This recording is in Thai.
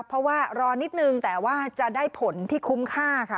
เพราะว่ารอนิดนึงแต่ว่าจะได้ผลที่คุ้มค่าค่ะ